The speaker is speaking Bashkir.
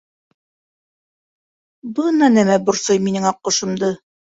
Бына нәмә борсой минең аҡҡошомдо...